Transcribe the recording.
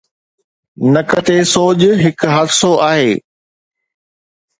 نڪ تي سوڄ هڪ حادثو آهي